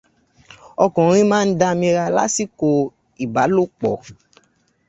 Okùnrin máa damira lásìkò ìbálòpọ̀.